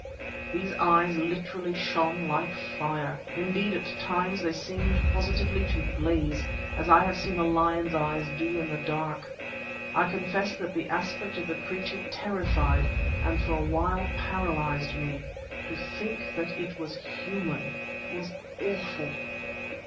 These eyes literally shone like fire; indeed, at times they seemed positively to blaze, as I have seen a lion's eyes do in the dark. I confess that the aspect of the creature terrified and for a while paralysed me; to think that it was human was awful.